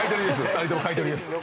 ２人とも買い取りです。